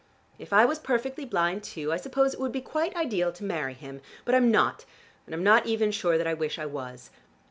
If I was perfectly blind too, I suppose it would be quite ideal to marry him. But I'm not, and I'm not even sure that I wish I was.